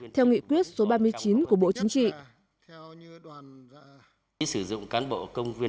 theo nghị quyết số ba mươi chín của bộ chính trị